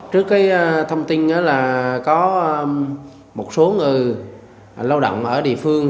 trước cái thông tin là có một số người lao động ở địa phương